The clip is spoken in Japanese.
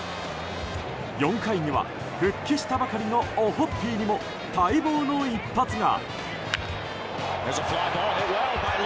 ４回には、復帰したばかりのオホッピーにも待望の一発が。